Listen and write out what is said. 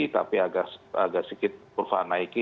tapi agak sedikit kurva naiki